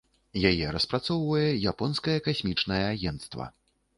Яе распрацоўвае японскае касмічнае агенцтва.